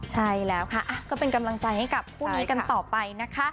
ใช่แล้วค่ะก็เป็นกำลังใจให้กับคู่นี้กันต่อไปนะคะ